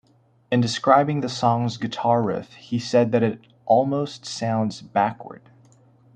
In describing the song's guitar riff he said that it "almost sounds backward".